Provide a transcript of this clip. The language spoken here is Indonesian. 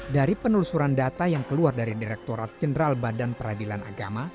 dari penelusuran data yang keluar dari direkturat jenderal badan peradilan agama